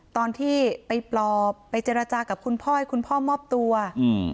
ตอนที่ไปปลอบไปเจรจากับคุณพ่อให้คุณพ่อมอบตัวอืม